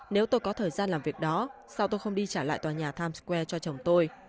nếu tôi có thời gian làm việc đó sau tôi không đi trả lại tòa nhà times square cho chồng tôi